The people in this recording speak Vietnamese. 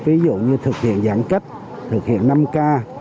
để lưu động tại địa phương ví dụ như thực hiện giãn cách thực hiện năm k